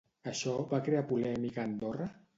Això va crear polèmica a Andorra?